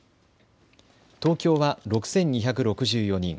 東京は６２６４人。